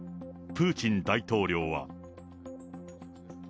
プーチン大統領は。